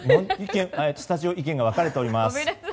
スタジオは意見が分かれております。